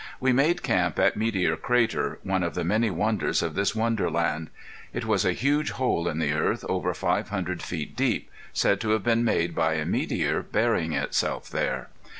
We made camp at Meteor Crater, one of the many wonders of this wonderland. It was a huge hole in the earth over five hundred feet deep, said to have been made by a meteor burying itself there.